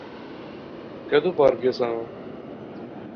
کیدوں پار گیساں؟